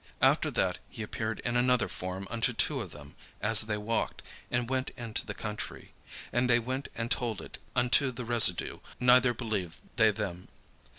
After that he appeared in another form unto two of them, as they walked, and went into the country. And they went and told it unto the residue: neither believed they them.